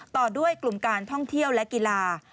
ต่อด้วยกลุ่มการท่องเที่ยวและกีฬา